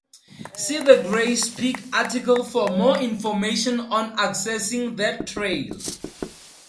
See the Grays Peak article for more information on accessing that trail.